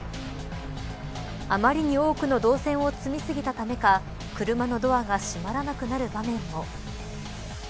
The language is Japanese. あまりに多くの銅線を積み過ぎたためか車のドアが閉まらなくなる場面も。